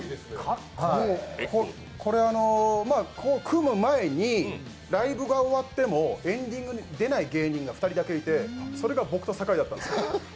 これ、組む前にライブが終わってもエンディングに出ない芸人が２人だけいて、それが僕と酒井だったんですよ。